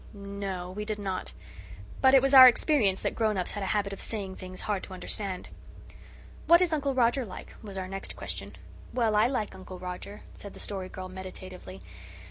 No, we did not. But it was our experience that grown ups had a habit of saying things hard to understand. "What is Uncle Roger like?" was our next question. "Well, I like Uncle Roger," said the Story Girl meditatively.